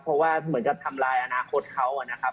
เพราะว่าเหมือนกับทำลายอนาคตเขานะครับ